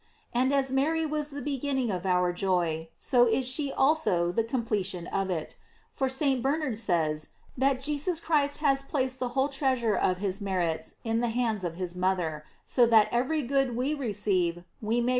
"f And as Mary was the beginning of our joy, so is she also the completion of it; for St. Bernard says that Jesus Christ has placed the whole treasure of his merits in the hands of his mother, so that every good we receive we may receive * Quare vincula.